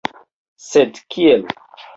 Sed kiel?